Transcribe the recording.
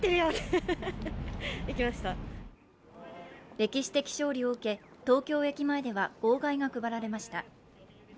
歴史的勝利を受け東京駅前では号外が配られました。